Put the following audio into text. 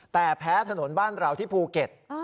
แต่แพ้ถนนบ้านเราที่ภูเก็ต